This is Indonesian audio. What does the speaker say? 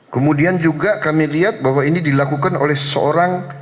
kemudian juga kami lihat bahwa ini dilakukan oleh seorang